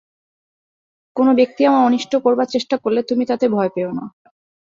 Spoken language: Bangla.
কোন ব্যক্তি আমার অনিষ্ট করবার চেষ্টা করলে তুমি তাতে ভয় পেও না।